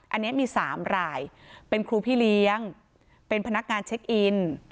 อันนี้มี๓รายเป็นครูพี่เลี้ยงเป็นพนักงานเช็คอิน